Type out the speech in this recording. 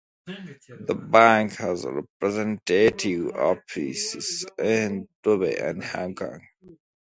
The bank has representative offices in Dubai and Hong Kong.